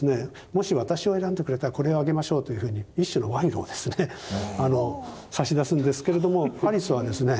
もし私を選んでくれたらこれをあげましょうというふうに一種の賄賂をですね差し出すんですけれどもパリスはですね